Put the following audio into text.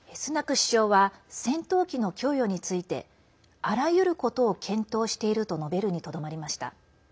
首相は戦闘機の供与についてあらゆることを検討していると述べるにとどまりました。